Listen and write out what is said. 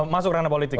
masuk ke ranah politik